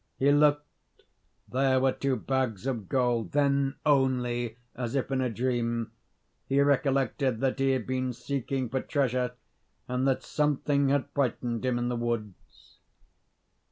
He looked, there were two bags of gold. Then only, as if in a dream, he recollected that he had been seeking for treasure, and that something had frightened him in the woods.